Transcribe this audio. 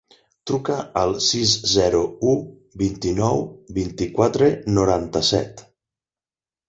Truca al sis, zero, u, vint-i-nou, vint-i-quatre, noranta-set.